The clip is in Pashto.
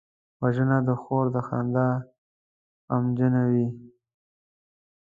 وژنه د خور د خندا غمجنوي